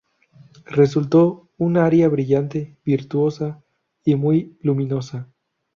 Resultó un aria brillante, virtuosa y muy luminosa.